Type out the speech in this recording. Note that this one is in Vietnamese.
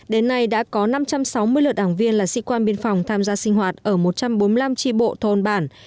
đến nay đã có năm trăm sáu mươi lượt đảng viên là sĩ quan biên phòng tham gia sinh hoạt ở một trăm bốn mươi năm tri bộ thôn bản